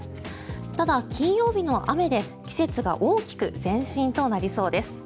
ただ、金曜日の雨で季節が大きく前進となりそうです。